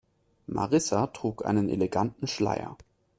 Marissa trug einen eleganten Schleier.